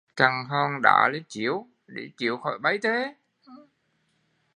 Chặn hòn đá lên chiếu để chiếu khỏi bay